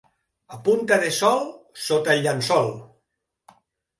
A punta de sol, sota el llençol.